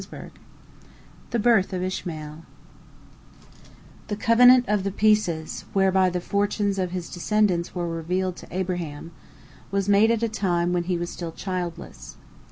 THE BIRTH OF ISHMAEL The covenant of the pieces, whereby the fortunes of his descendants were revealed to Abraham, was made at a time when he was still childless.